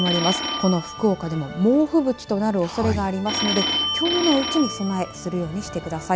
この福岡でも猛吹雪となるおそれがありますのできょうのうちに備えするようにしてください。